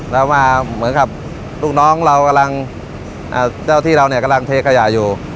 แล้วมาเหมือนกับลูกน้องเรากำลังเจ้าที่เราเนี่ยกำลังเทขยะอยู่